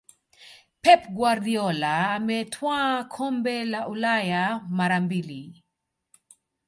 pep guardiola ametwaa kombe la ulaya mara mbili